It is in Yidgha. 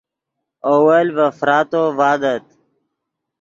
اول ڤے فراتو ڤادت